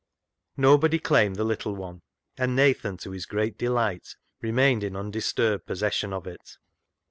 Nobody claimed the little one, and Nathan, to his great delight, remained in undisturbed possession of it.